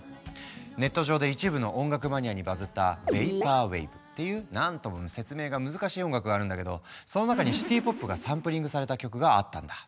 ネット上で一部の音楽マニアにバズったっていう何とも説明が難しい音楽があるんだけどその中にシティ・ポップがサンプリングされた曲があったんだ。